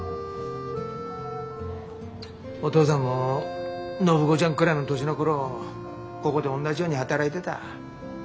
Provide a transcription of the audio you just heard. お父さんも暢子ちゃんくらいの年の頃ここで同じように働いてた。